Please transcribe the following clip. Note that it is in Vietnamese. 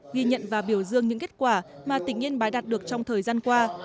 ghi nhận và biểu dương những kết quả mà tỉnh yên bái đạt được trong thời gian qua